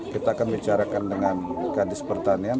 kita akan bicarakan dengan kadis pertanian